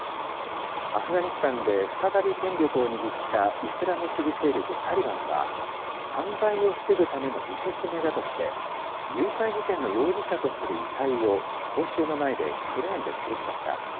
アフガニスタンで再び権力を握ったイスラム主義勢力タリバンは、犯罪を防ぐための見せしめだとして、誘拐事件の容疑者だとする遺体を公衆の前でクレーンでつるしました。